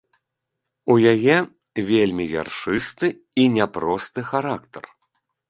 У яе вельмі яршысты і няпросты характар.